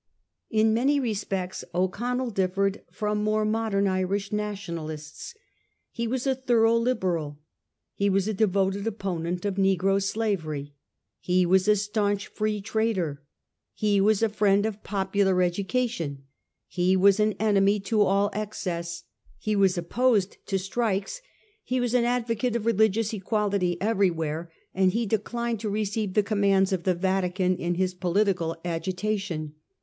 In many respects O'Connell differed from more modem Irish Nationalists. He was a thorough Libe ral. He was a devoted opponent of negro slavery ; he was a staunch Free Trader; he was a friend of popular education ; he was an enemy to all excess ; he was opposed to strikes; he was an advocate of religious equality everywhere; and he declined to receive the commands of the Yatican in his politi cal agitation.